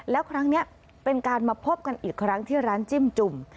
แล้วครั้งนี้เป็นการมาพบกันอีกครั้งที่ร้านจิ้มจุ่ม